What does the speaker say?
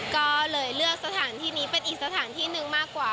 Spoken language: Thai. ก็เลยเลือกสถานที่นี้เป็นอีกสถานที่หนึ่งมากกว่า